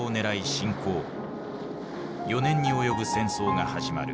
４年に及ぶ戦争が始まる。